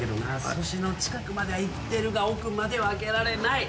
粗品の近くまでは行ってるが奥までは開けられない。